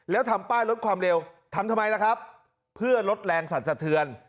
แล้วทำป้ายลดความเร็วทำทำไมล่ะครับเพื่อลดแรงสั่นสะเทือน